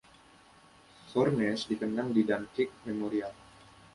Furness dikenang di Dunkirk Memorial.